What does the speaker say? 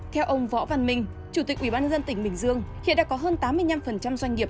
theo ông võ văn minh chủ tịch ubnd tỉnh bình dương hiện đã có hơn tám mươi năm doanh nghiệp